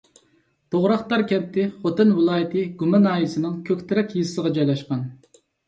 توغراقتار كەنتى خوتەن ۋىلايىتى گۇما ناھىيەسىنىڭ كۆكتېرەك يېزىسىغا جايلاشقان.